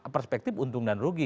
perspektif untung dan rugi